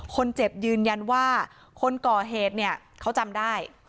ยืนยันว่าคนก่อเหตุเนี่ยเขาจำได้